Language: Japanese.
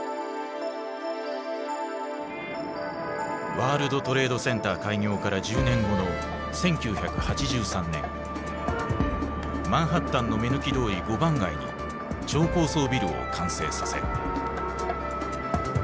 ワールドトレードセンター開業から１０年後の１９８３年マンハッタンの目抜き通り五番街に超高層ビルを完成させる。